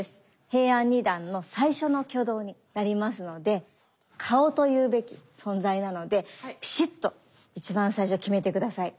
平安二段の最初の挙動になりますので顔というべき存在なのでピシっと一番最初極めて下さい。